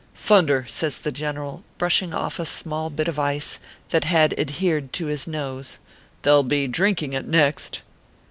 " Thunder !" says the general, brushing off a small ORPIIKl S C. KT.RR PAPERS. bit of ice that had adhered to his nose, " they ll be drinking it next."